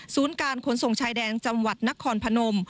การขนส่งชายแดนจังหวัดนครพนม